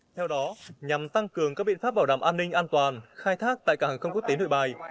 theo đó nhằm tăng cường các biện pháp bảo đảm an ninh an toàn khai thác tại cảng hàng không quốc tế nội bài